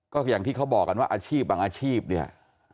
ก็อย่างที่เขาบอกกันว่าอาชีพบางอาชีพเนี่ย